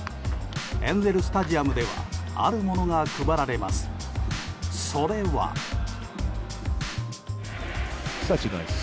エンゼル・スタジアムではあるものが配られます。